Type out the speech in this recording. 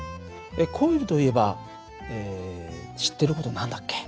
コイルといえば知ってる事何だっけ？